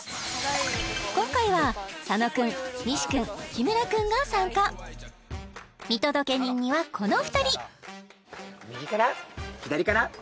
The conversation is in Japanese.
今回は佐野君西君木村君が参加見届け人にはこの２人！